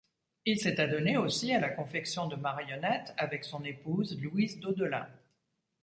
Il s’est adonné aussi à la confection de marionnettes avec son épouse, Louise Daudelin.